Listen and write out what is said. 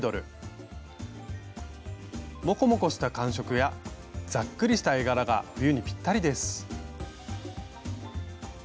モコモコした感触やざっくりした絵柄が冬にピッタリです。